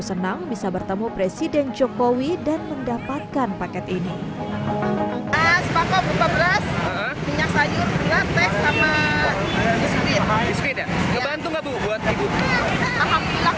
senang bisa bertemu presiden jokowi dan mendapatkan paket ini minyak sayur